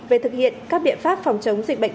về thực hiện các biện pháp phòng chống dịch bệnh